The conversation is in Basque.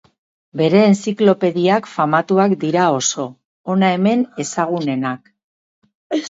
Bere entziklopediak famatuak dira oso, hona hemen ezagunenak.